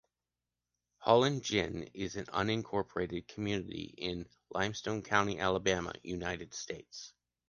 Holland Gin is an unincorporated community in Limestone County, Alabama, United States.